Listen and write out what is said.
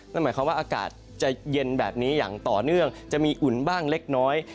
นั่นหมายความว่าอากาศจะเย็นแบบนี้อย่างต่อเนื่องจะมีอุ่นบ้างเล็กน้อย